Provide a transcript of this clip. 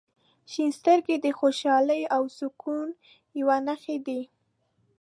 • شنې سترګې د خوشحالۍ او سکون یوه نښه دي.